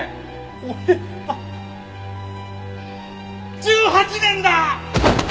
俺は１８年だ！